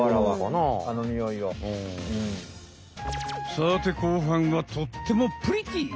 さて後半はとってもプリティー！